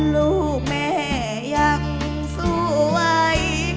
ลูกแม่ยังสวย